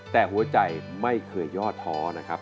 แต่หัวใจไม่เคยย่อท้อนะครับ